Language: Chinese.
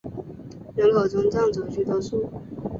人口中藏族居多数。